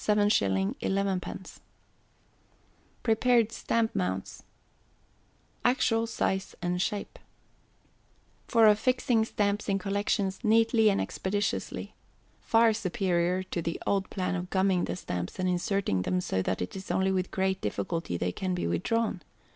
_Prepared Stamp Mounts. ACTUAL SIZE AND SHAPE. [Illustration: No. 1. No. 2. No. 3.] For affixing Stamps in Collections neatly and expeditiously. Far superior to the old plan of gumming the Stamps, and inserting them so that it is only with great difficulty they can be withdrawn.